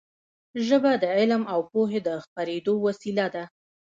ژبه د علم او پوهې د خپرېدو وسیله ده.